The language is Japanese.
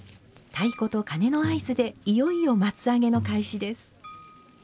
太鼓と鉦の合図でいよいよ松上げの開始です。